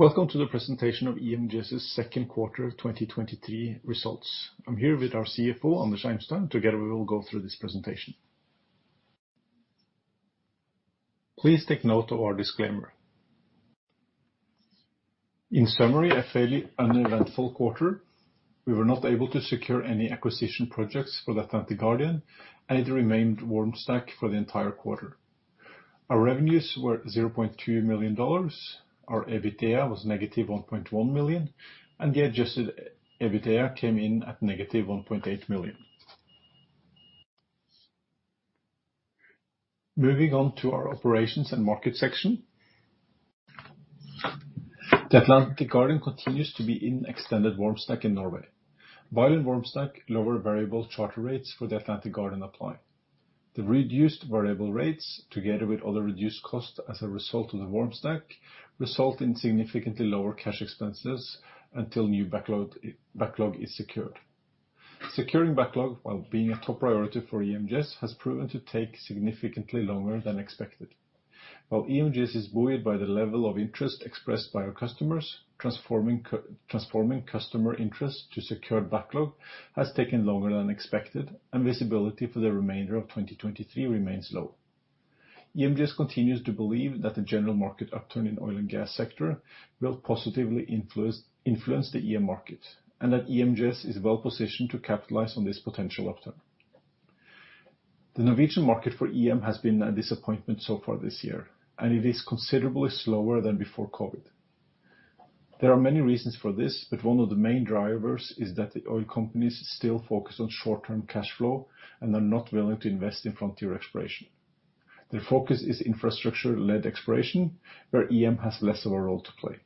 Welcome to the presentation of EMGS's second quarter of 2023 results. I'm here with our CFO, Anders Eimstad. Together, we will go through this presentation. Please take note of our disclaimer. In summary, a fairly uneventful quarter. We were not able to secure any acquisition projects for the Atlantic Guardian, and it remained warm stacked for the entire quarter. Our revenues were $0.2 million. Our EBITDA was negative $1.1 million, and the adjusted EBITDA came in at negative $1.8 million. Moving on to our operations and market section. The Atlantic Guardian continues to be in extended warm stack in Norway. While in warm stack, lower variable charter rates for the Atlantic Guardian apply. The reduced variable rates, together with other reduced costs as a result of the warm stack, result in significantly lower cash expenses until new backload, backlog is secured. Securing backlog, while being a top priority for EMGS, has proven to take significantly longer than expected. While EMGS is buoyed by the level of interest expressed by our customers, transforming transforming customer interest to secure backlog has taken longer than expected, and visibility for the remainder of 2023 remains low. EMGS continues to believe that the general market upturn in oil and gas sector will positively influence, influence the EM market, and that EMGS is well positioned to capitalize on this potential upturn. The Norwegian market for EM has been a disappointment so far this year, and it is considerably slower than before COVID. There are many reasons for this, but one of the main drivers is that the oil companies still focus on short-term cash flow and are not willing to invest in frontier exploration. Their focus is infrastructure-led exploration, where EM has less of a role to play.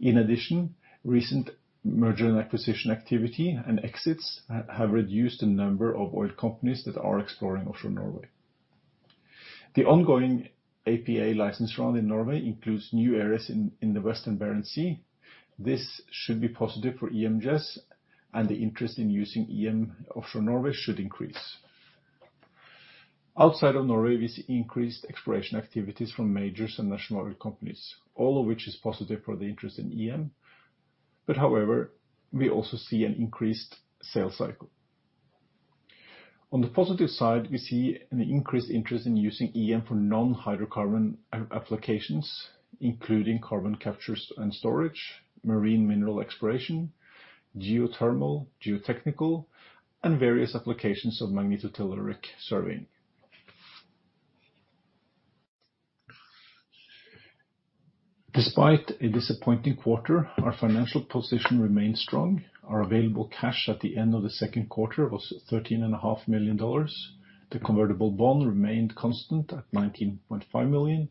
In addition, recent merger and acquisition activity and exits have reduced the number of oil companies that are exploring offshore Norway. The ongoing APA license round in Norway includes new areas in the western Barents Sea. This should be positive for EMGS, and the interest in using EM offshore Norway should increase. Outside of Norway, we see increased exploration activities from majors and national oil companies, all of which is positive for the interest in EM. However, we also see an increased sales cycle. On the positive side, we see an increased interest in using EM for non-hydrocarbon applications, including carbon capture and storage, marine mineral exploration, geothermal, geotechnical, and various applications of magnetotelluric surveying. Despite a disappointing quarter, our financial position remains strong. Our available cash at the end of the second quarter was $13.5 million. The convertible bond remained constant at $19.5 million.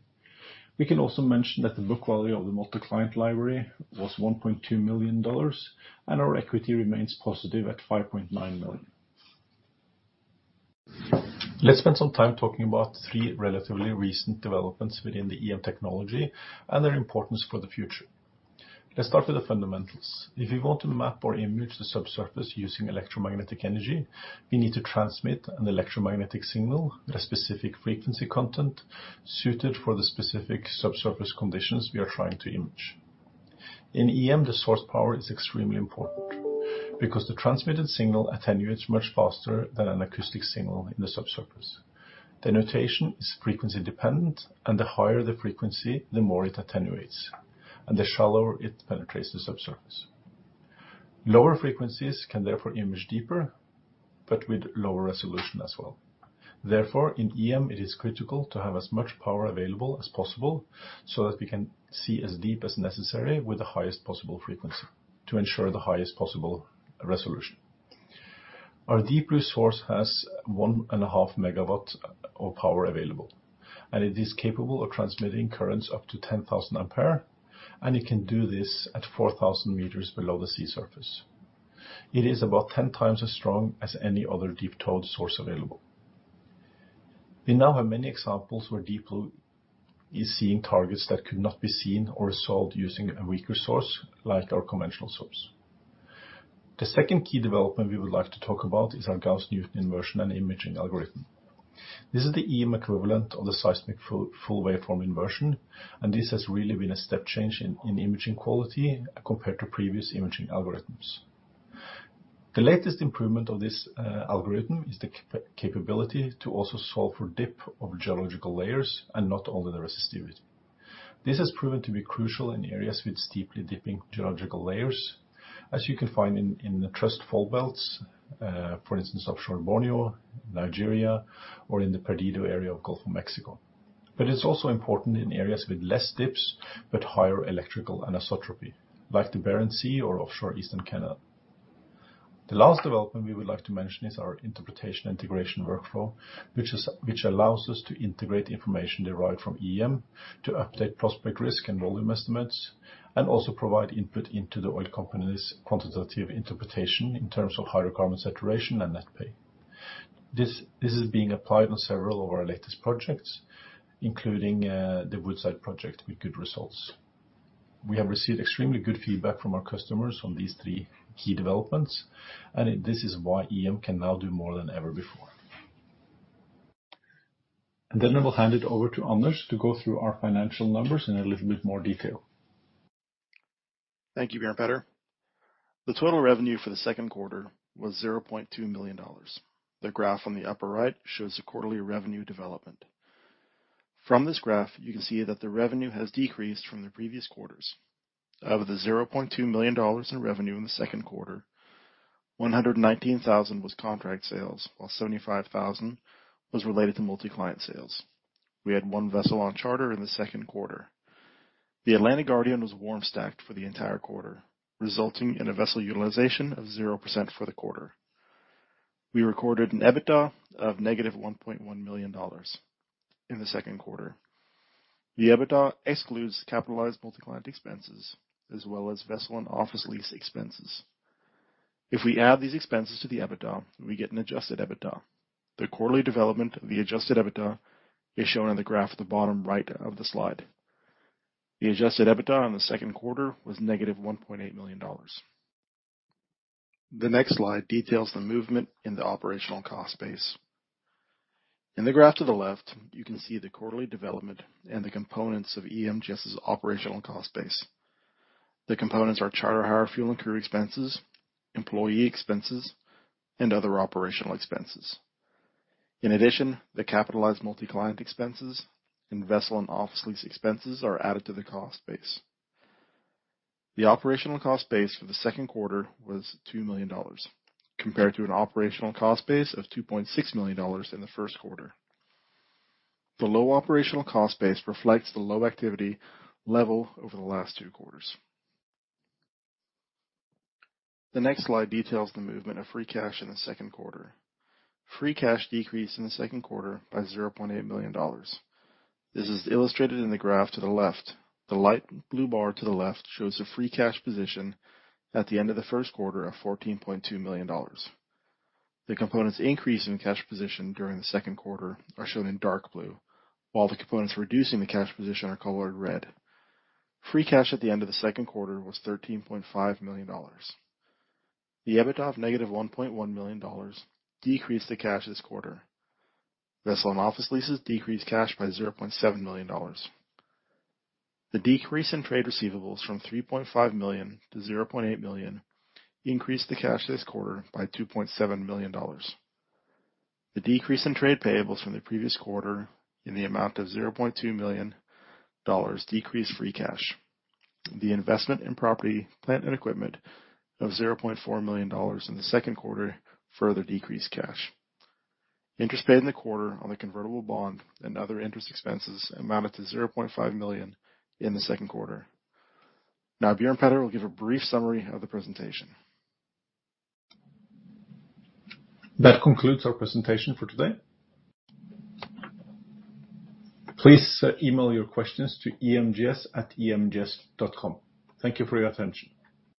We can also mention that the book value of the multi-client library was $1.2 million, and our equity remains positive at $5.9 million. Let's spend some time talking about three relatively recent developments within the EM technology and their importance for the future. Let's start with the fundamentals. If you want to map or image the subsurface using electromagnetic energy, we need to transmit an electromagnetic signal with a specific frequency content suited for the specific subsurface conditions we are trying to image. In EM, the source power is extremely important because the transmitted signal attenuates much faster than an acoustic signal in the subsurface. The notation is frequency dependent, and the higher the frequency, the more it attenuates, and the shallower it penetrates the subsurface. Lower frequencies can therefore image deeper, but with lower resolution as well. Therefore, in EM, it is critical to have as much power available as possible so that we can see as deep as necessary with the highest possible frequency to ensure the highest possible resolution. Our DeepBlue source has 1.5 MW of power available, and it is capable of transmitting currents up to 10,000 A, and it can do this at 4,000 m below the sea surface. It is about 10 times as strong as any other deep-towed source available. We now have many examples where DeepBlue is seeing targets that could not be seen or resolved using a weaker source, like our conventional source. The second key development we would like to talk about is our Gauss-Newton inversion and imaging algorithm. This is the EM equivalent of the seismic full waveform inversion, and this has really been a step change in, in imaging quality compared to previous imaging algorithms. The latest improvement of this algorithm is the capability to also solve for dip of geological layers and not only the resistivity. This has proven to be crucial in areas with steeply dipping geological layers, as you can find in, in the thrust fault belts, for instance, offshore Borneo, Nigeria, or in the Perdido area of Gulf of Mexico. It's also important in areas with less dips but higher electrical anisotropy, like the Barents Sea or offshore eastern Canada. The last development we would like to mention is our interpretation integration workflow, which allows us to integrate information derived from EM to update prospect risk and volume estimates, and also provide input into the oil company's quantitative interpretation in terms of hydrocarbon saturation and net pay. This, this is being applied on several of our latest projects, including the Woodside project, with good results. We have received extremely good feedback from our customers on these three key developments, and this is why EM can now do more than ever before. I will hand it over to Anders to go through our financial numbers in a little bit more detail. Thank you, Bjørn Petter. The total revenue for the second quarter was $0.2 million. The graph on the upper right shows the quarterly revenue development. From this graph, you can see that the revenue has decreased from the previous quarters. Out of the $0.2 million in revenue in the second quarter, $119,000 was contract sales, while $75,000 was related to multi-client sales. We had one vessel on charter in the second quarter. The Atlantic Guardian was warm stacked for the entire quarter, resulting in a vessel utilization of 0% for the quarter. We recorded an EBITDA of negative $1.1 million in the second quarter. The EBITDA excludes capitalized multi-client expenses as well as vessel and office lease expenses. If we add these expenses to the EBITDA, we get an adjusted EBITDA. The quarterly development of the adjusted EBITDA is shown on the graph at the bottom right of the slide. The adjusted EBITDA on the second quarter was -$1.8 million. The next slide details the movement in the operational cost base. In the graph to the left, you can see the quarterly development and the components of EMGS's operational cost base. The components are charter hire, fuel and crew expenses, employee expenses, and other operational expenses. In addition, the capitalized multi-client expenses and vessel and office lease expenses are added to the cost base. The operational cost base for the second quarter was $2 million, compared to an operational cost base of $2.6 million in the first quarter. The low operational cost base reflects the low activity level over the last two quarters. The next slide details the movement of free cash in the second quarter. Free cash decreased in the second quarter by $0.8 million. This is illustrated in the graph to the left. The light blue bar to the left shows a free cash position at the end of the first quarter of $14.2 million. The components increase in the cash position during the second quarter are shown in dark blue, while the components reducing the cash position are colored red. Free cash at the end of the second quarter was $13.5 million. The EBITDA of -$1.1 million decreased the cash this quarter. Vessel and office leases decreased cash by $0.7 million. The decrease in trade receivables from $3.5 million to $0.8 million increased the cash this quarter by $2.7 million. The decrease in trade payables from the previous quarter in the amount of $0.2 million decreased free cash. The investment in property, plant, and equipment of $0.4 million in the second quarter further decreased cash. Interest paid in the quarter on the convertible bond and other interest expenses amounted to $0.5 million in the second quarter. Now, Bjørn Petter will give a brief summary of the presentation. That concludes our presentation for today. Please email your questions to emgs@emgs.com. Thank you for your attention.